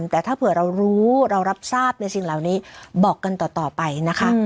แต่ถ้าเผื่อเรารู้เรารับทราบในสิ่งเหล่านี้บอกกันต่อไปนะคะ